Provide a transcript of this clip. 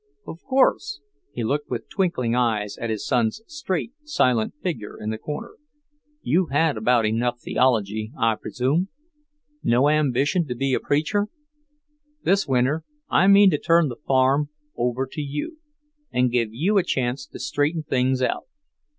"Of course." He looked with twinkling eyes at his son's straight, silent figure in the corner. "You've had about enough theology, I presume? No ambition to be a preacher? This winter I mean to turn the farm over to you and give you a chance to straighten things out.